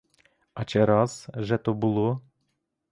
А чи раз же то було?